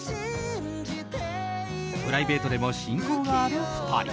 プライベートでも親交がある２人。